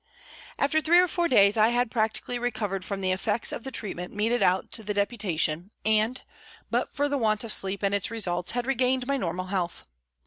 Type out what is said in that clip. After three or four days I had practically recovered from the effects of the treatment meted out to the Deputation, and, but for the want of sleep and its results, had regained my normal health.